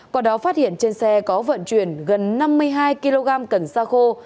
qua đó phát hiện trên xe có vận chuyển gần năm mươi hai kg cần xa khô